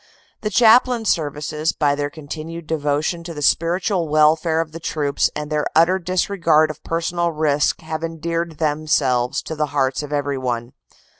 The Chaplain Services by their continued devotion to the spiritual welfare of the troops and their utter disregard of personal risk have endeared them selves to the hearts of everyone.